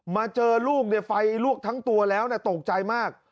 มาเจอลูกเนี่ยไฟรั่วทั้งตัวแล้วตกใจมาก